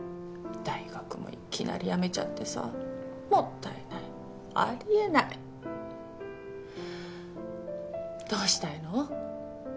大学もいきなり辞めちゃってさもったいないありえないどうしたいの？